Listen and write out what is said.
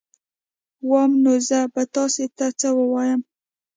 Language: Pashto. وام نو زه به تاسي ته څه ووایم